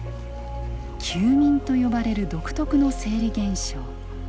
休眠と呼ばれる独特の生理現象。